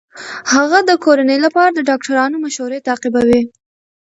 هغه د کورنۍ لپاره د ډاکټرانو مشورې تعقیبوي.